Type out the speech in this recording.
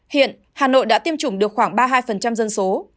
hiện hà nội đã tiêm chủng được khoảng ba mươi hai dân số